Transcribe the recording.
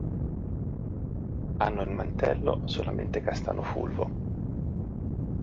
Hanno il mantello solamente castano fulvo.